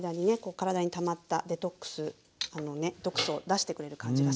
体にたまったデトックス毒素を出してくれる感じがしますね。